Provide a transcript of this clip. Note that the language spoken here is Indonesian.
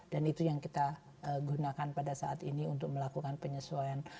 dan itu yang kita gunakan pada saat ini untuk melakukan penyesuaian